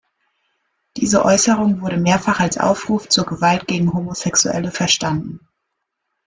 Diese Äußerung wurde mehrfach als Aufruf zur Gewalt gegen Homosexuelle verstanden.